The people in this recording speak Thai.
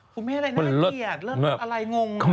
คุณแม่อะไรน่าเกลียดมาก